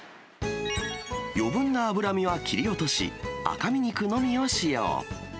余分な脂身は切り落とし、赤身肉のみを使用。